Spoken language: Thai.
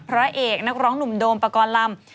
พระเอกนักร้องหนุ่มโดมปกรณ์ลำ